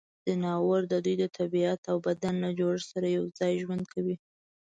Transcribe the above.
ځناور د دوی د طبعیت او بدن له جوړښت سره یوځای ژوند کوي.